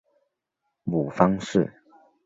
母方氏。